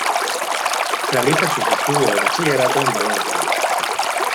Realiza sus estudios de bachillerato en Valencia.